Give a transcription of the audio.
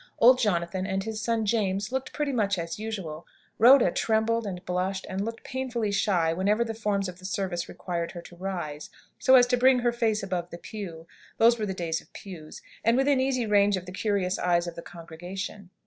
Old Jonathan and his son James looked pretty much as usual; Rhoda trembled, and blushed, and looked painfully shy whenever the forms of the service required her to rise, so as to bring her face above the pew (those were the days of pews) and within easy range of the curious eyes of the congregation.